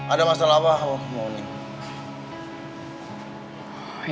ada masalah apa mbak keenam enam lho